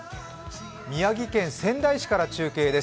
宮城県仙台市から中継です。